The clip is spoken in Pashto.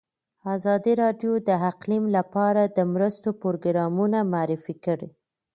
ازادي راډیو د اقلیم لپاره د مرستو پروګرامونه معرفي کړي.